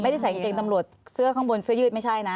ใส่กางเกงตำรวจเสื้อข้างบนเสื้อยืดไม่ใช่นะ